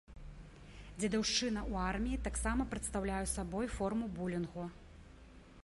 Дзедаўшчына ў арміі таксама прадстаўляе сабой форму булінгу.